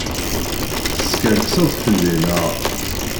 Teskerkseḍ fell-i, naɣ?